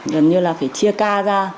gần như là phải chia ca ra